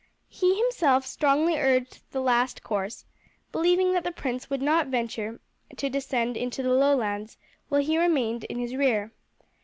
He himself strongly urged the last course, believing that the prince would not venture to descend into the Lowlands while he remained in his rear.